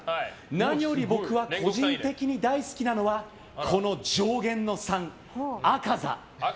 何より僕は個人的に大好きなのはこの上弦の参、猗窩座。